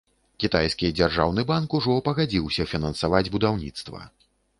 Кітайскі дзяржаўны банк ужо пагадзіўся фінансаваць будаўніцтва.